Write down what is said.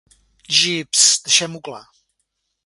Jeeves, deixem-ho clar.